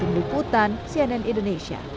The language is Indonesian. timbukutan cnn indonesia